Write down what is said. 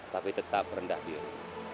tapi tetap rendah diri